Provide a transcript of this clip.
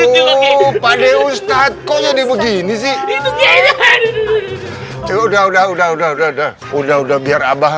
ini lagi itu pade ustadz kok jadi begini sih itu udah udah udah udah udah udah udah udah biar abah